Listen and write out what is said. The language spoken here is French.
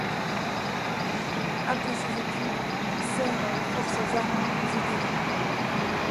Après ses études, il sert dans les forces armées des États-Unis.